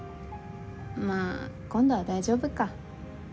まあ今度は大丈夫か。